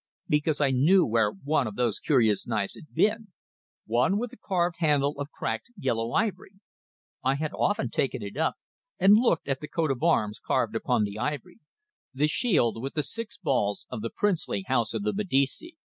Because I knew where one of those curious knives had been one with a carved handle of cracked, yellow ivory. I had often taken it up and looked at the coat of arms carved upon the ivory the shield with the six balls of the princely house of the Medici.